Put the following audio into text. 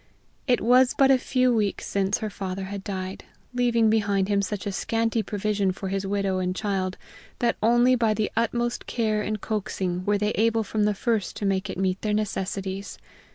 It was but a few weeks since her father had died, leaving behind him such a scanty provision for his widow and child that only by the utmost care and coaxing were they able from the first to make it meet their necessities.